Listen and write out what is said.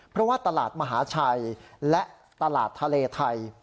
เพราะว่าตลาดมหาชัยและตลาดทะเลไทย